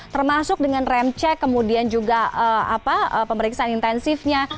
termasuk dengan rem cek kemudian juga pemeriksaan intensifnya